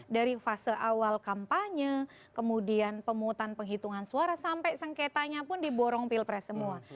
dari fase awal kampanye kemudian pemungutan penghitungan suara sampai sengketanya pun diborong pilpres semua